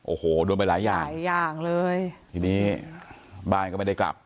โอ้โหโดนไปหลายอย่างหลายอย่างเลยทีนี้บ้านก็ไม่ได้กลับ